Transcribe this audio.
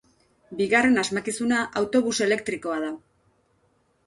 Bigarren asmakizuna autobus elektrikoa da.